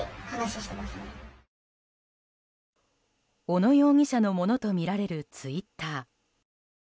小野容疑者のものとみられるツイッター。